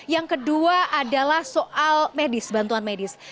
yang kedua adalah soal medis bantuan medis